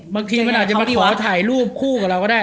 บางทีมันอาจจะมาขอถ่ายรูปคู่กับเราก็ได้